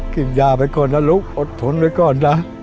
กินยาไปก่อนนะลูกอดทนไว้ก่อนนะ